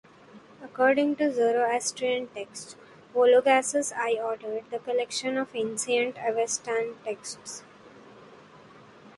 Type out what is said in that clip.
According to Zoroastrian texts, Vologases I ordered the collection of the ancient Avestan texts.